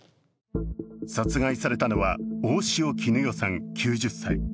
殺害されたのは大塩衣与さん９０歳。